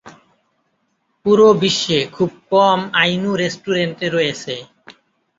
পুরো বিশ্বে খুব কম আইনু রেস্টুরেন্টে রয়েছে।